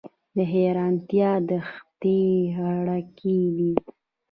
د حیرتان دښتې ریګي دي